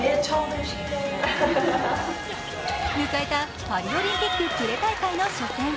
迎えたパリオリンピックプレ大会の初戦。